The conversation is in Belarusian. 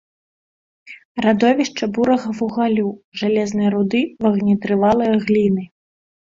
Радовішча бурага вугалю, жалезнай руды, вогнетрывалай гліны.